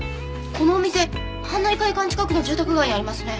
このお店はんなり会館近くの住宅街にありますね。